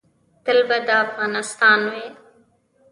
تل به دا افغانستان وي